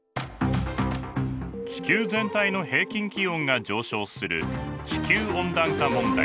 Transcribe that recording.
地球全体の平均気温が上昇する地球温暖化問題。